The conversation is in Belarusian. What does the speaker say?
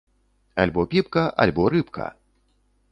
Альбо піпка, альбо рыбка!